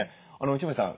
内堀さん